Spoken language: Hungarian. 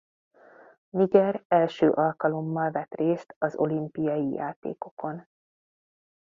Niger első alkalommal vett részt az olimpiai játékokon.